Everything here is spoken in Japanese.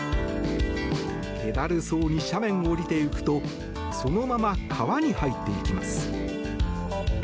気だるそうに斜面を下りていくとそのまま川に入っていきます。